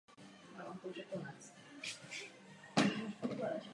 Zemřel v Brně a je pohřben na jeho Ústředním hřbitově.